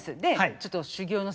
ちょっと修業の成果を。